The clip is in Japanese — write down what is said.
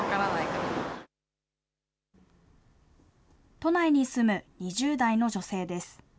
都内に住む２０代の女性です。